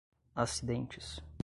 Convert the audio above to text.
acidentes